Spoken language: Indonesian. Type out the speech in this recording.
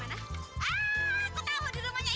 kau ini tau apa